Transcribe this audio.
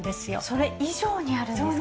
それ以上にあるんですか？